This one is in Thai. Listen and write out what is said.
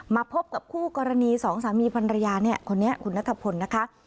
มาพบกับคู่กรณีสองสามีพันรยาเนี่ยคนนี้คุณนัทพลนะคะ